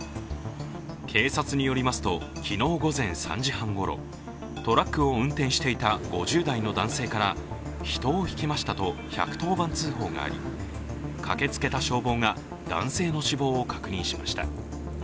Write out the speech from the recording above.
警察によりますと昨日午前３時半ごろ、トラックを運転していた５０代の男性から、人を引きましたと１１０番通報があり駆けつけた消防が、男性の死亡を確認しました。